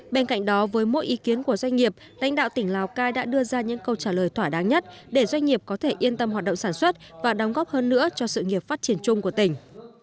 bên cạnh đó với mỗi ý kiến của doanh nghiệp đánh đạo tỉnh lào cai đã đưa ra những câu trả lời thỏa đáng nhất để doanh nghiệp có thể yên tâm hoạt động sản xuất và đóng góp hơn nữa cho sự nghiệp phát triển chung của tỉnh